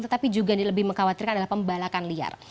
tetapi juga yang lebih mengkhawatirkan adalah pembalakan liar